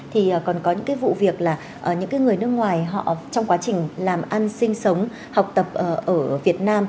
thì còn có những cái vụ việc là những người nước ngoài họ trong quá trình làm ăn sinh sống học tập ở việt nam